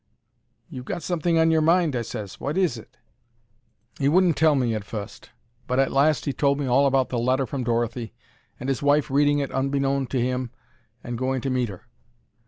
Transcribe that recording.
"You've got something on your mind," I ses. "Wot is it?" He wouldn't tell me at fust, but at last he told me all about the letter from Dorothy, and 'is wife reading it unbeknown to 'im and going to meet 'er.